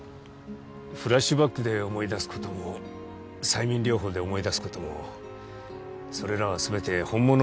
フラッシュバックで思い出すことも催眠療法で思い出すこともそれらはすべて本物の記憶とは限らない。